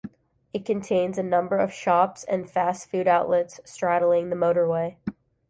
It contains a number of shops and fast food outlets straddling the motorway.